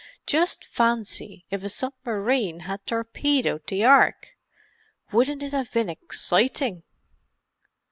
"Just fancy if a submarine had torpedoed the Ark! Wouldn't it have been exciting!"